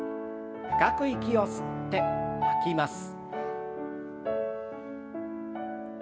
深く息を吸って吐きます。